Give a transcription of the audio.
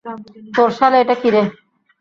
তোর শালে এটা কী রে?